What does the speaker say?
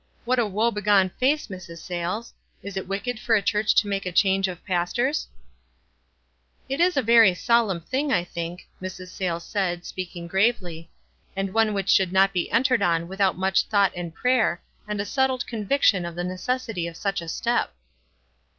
What a woe begone face, Mrs. Sayles ! Is it wicked for a church to make a change of pastors ?" "It is a very solemn thing, I think," Mrs. Sayles said, speaking gravely ; "and one which should not be entered on without much thought and prayer, and a settled conviction of the ne cessity of such a step."